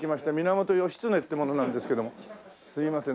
すいません。